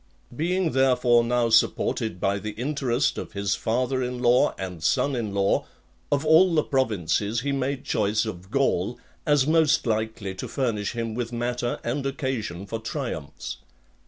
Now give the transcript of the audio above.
XXII. Being, therefore, now supported by the interest of his father in law and son in law, of all the provinces he made choice of Gaul, as most likely to furnish him with matter and occasion for triumphs.